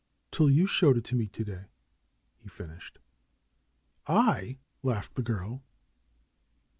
"Till you showed it to me to day," he finished. "I?" laughed the girl.